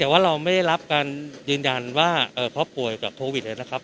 แต่ว่าเราไม่ได้รับการยืนยันว่าเขาป่วยกับโควิดเลยนะครับ